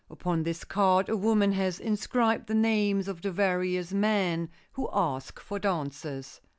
Upon this card a woman has inscribed the names of the various men who ask for dances.